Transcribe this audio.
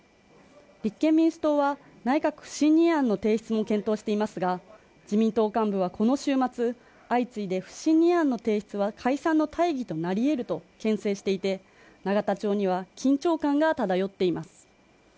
立憲民主党は、内閣不信任案の提出も検討していますが、自民党幹部はこの週末相次いで不信任案の提出は解散の大義となり得ると牽制していて、永田町には緊張感が漂っています。